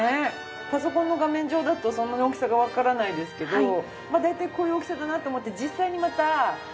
パソコンの画面上だとそんなに大きさがわからないですけど大体こういう大きさだなと思って実際にまた科学博物館に来た時に。